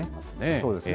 そうですね。